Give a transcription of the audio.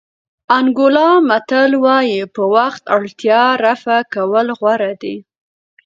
انګولا متل وایي په وخت اړتیا رفع کول غوره دي.